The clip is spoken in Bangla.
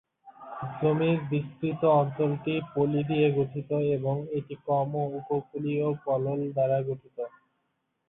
জমির বিস্তৃত অঞ্চলটি পলি দিয়ে গঠিত এবং এটি কম ও উপকূলীয় পলল দ্বারা গঠিত।